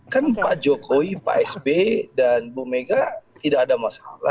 kan pak jokowi pak sb dan bu mega tidak ada masalah